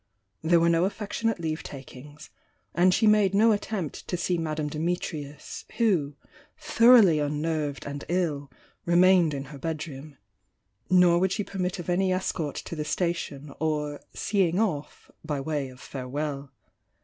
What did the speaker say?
There were no affectionate leave takings, — and she made no attempt to see Madame Dimitrius, who, thoroughly unnerved and ill, re mained in her bedroom, — nor would she permit of any escort to the station, or "seeing off" by way of farewell.